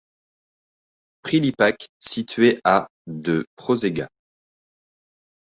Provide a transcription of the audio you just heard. Prilipac, situé à de Požega.